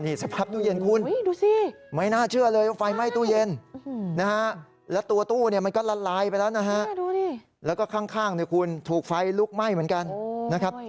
สภาพตู้เย็นคุณดูสิไม่น่าเชื่อเลยว่าไฟไหม้ตู้เย็นนะฮะแล้วตัวตู้เนี่ยมันก็ละลายไปแล้วนะฮะแล้วก็ข้างเนี่ยคุณถูกไฟลุกไหม้เหมือนกันนะครับ